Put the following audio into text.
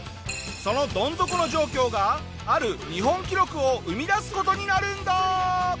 そのどん底の状況がある日本記録を生み出す事になるんだ！